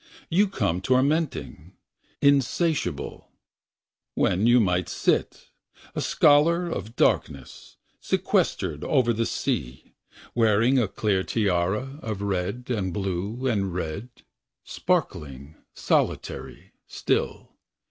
You come tormenting. Insatiable , When you might sit, A scholar of darkness. Sequestered over the sea. Wearing a clear tiara Of red and blue and red. Sparkling, solitary, still.